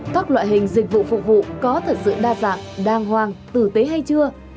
các loại hình dịch vụ phục vụ có thật sự đa dạng đàng hoàng tử tế hay chưa